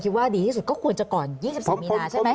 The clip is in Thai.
ว่าดีที่สุดก็ควรจะก่อน๒๔มีนาใช่ไหม